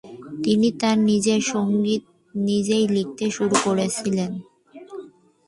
তিনি তাঁর নিজের সংগীত নিজেই লিখতে শুরু করেছিলেন।